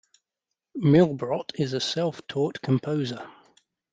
Milbrodt is a self-taught composer.